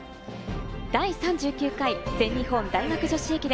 第３９回全日本大学女子駅伝。